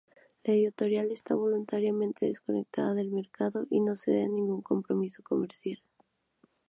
La editorial está voluntariamente desconectada del mercado y no cede a ningún compromiso comercial.